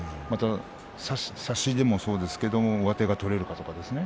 差し手もそうですけど上手が取れるかとかですね。